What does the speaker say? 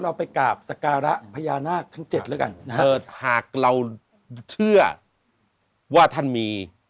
เราไปกราบสการะพญานาคทั้ง๗แล้วกันหากเราเชื่อว่าท่านมี